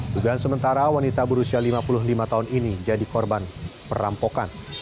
dugaan sementara wanita berusia lima puluh lima tahun ini jadi korban perampokan